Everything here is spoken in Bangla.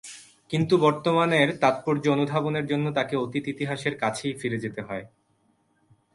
কিন্তু বর্তমানের তাৎপর্য অনুধাবনের জন্য তাকে অতীত ইতিহাসের কাছেই ফিরে যেতে হয়।